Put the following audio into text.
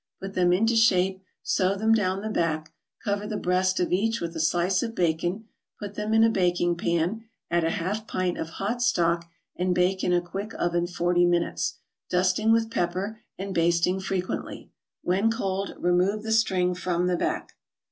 Put them into shape, sew them down the back, cover the breast of each with a slice of bacon, put them in a baking pan, add a half pint of hot stock, and bake in a quick oven forty minutes, dusting with pepper and basting frequently. When cold, remove the string from the back.